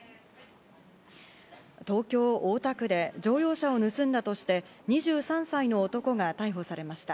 東京・大田区で乗用車を盗んだとして２３歳の男が逮捕されました。